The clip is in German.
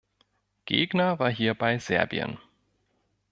Gegner war hierbei Serbien.